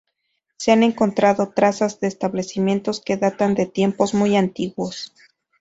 Se han encontrado trazas de establecimientos que datan de tiempos muy antiguos.